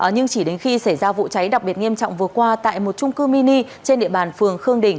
nhưng chỉ đến khi xảy ra vụ cháy đặc biệt nghiêm trọng vừa qua tại một trung cư mini trên địa bàn phường khương đình